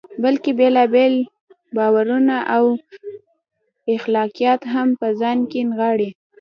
بلکې بېلابېل باورونه او اخلاقیات هم په ځان کې نغاړي.